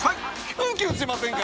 キュンキュンしませんか？